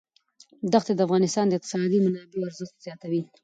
دښتې د افغانستان د اقتصادي منابعو ارزښت زیاتوي.